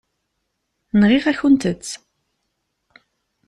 Nɣiɣ-akent-tt.